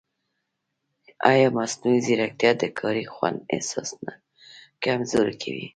ایا مصنوعي ځیرکتیا د کاري خوند احساس نه کمزورې کوي؟